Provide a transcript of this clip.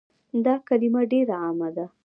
دا کلمه ډيره عامه ده